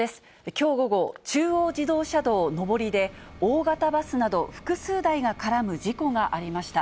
きょう午後、中央自動車道上りで、大型バスなど複数台が絡む事故がありました。